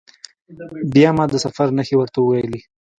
بیا ما د سفر نښې ورته وویلي.